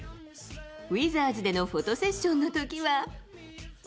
ウィザーズでのフォトセッションのときは。